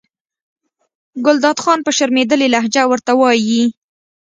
ګلداد خان په شرمېدلې لهجه ورته وایي.